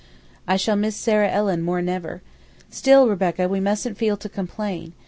"I shall miss Sarah Ellen now more'n ever. Still, Rebecca, we mustn't feel to complain.